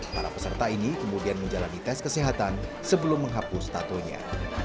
para peserta ini kemudian menjalani tes kesehatan sebelum menghapus tatonya